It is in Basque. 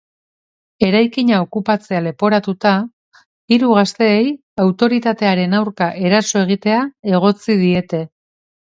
Eraikina opkupatzea leporatuta, hiru gazteei autoritatearen aurka eraso egitea egotzi diete.